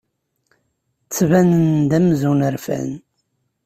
Ttbanen-d amzun rfan.